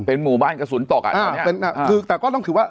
เป็นหมู่บ้านกระสุนต่อการตัวเนี้ยอ่าเป็นอ่าคือแต่ก็ต้องคือว่า